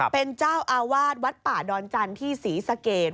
เป็นเจ้าอาวาสวัดป่าดอนจันทร์ที่ศรีสะเกด